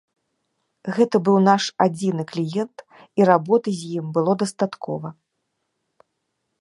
Гэта быў наш адзіны кліент і работы з ім было дастаткова.